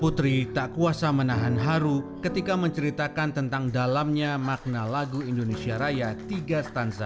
putri tak kuasa menahan haru ketika menceritakan tentang dalamnya makna lagu indonesia raya tiga stanza